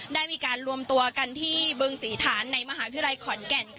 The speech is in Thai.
ได้มีการรวมตัวกันที่บึงศรีฐานในมหาวิทยาลัยขอนแก่น